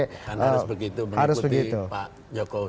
karena harus begitu mengikuti pak jokowi